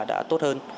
đã tốt hơn